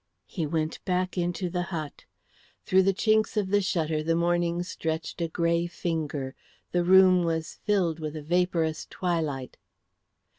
He went back into the hut. Through the chinks of the shutter the morning stretched a grey finger; the room was filled with a vaporous twilight.